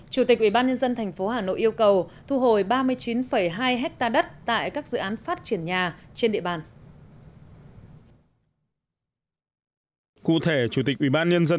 chủ tịch ubnd tp hà nội yêu cầu thu hồi ba mươi chín hai hectare đất tại các dự án phát triển nhà trên địa bàn